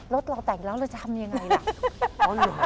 รถเราแต่งแล้วเราจะทำยังไงล่ะ